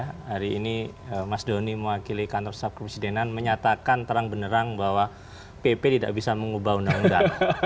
hari ini mas doni mewakili kantor staf kepresidenan menyatakan terang benerang bahwa pp tidak bisa mengubah undang undang